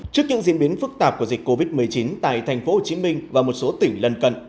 trước những diễn biến phức tạp của dịch covid một mươi chín tại thành phố hồ chí minh và một số tỉnh lân cận